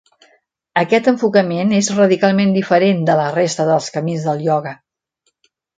Aquest enfocament és radicalment diferent de la resta dels camins del ioga.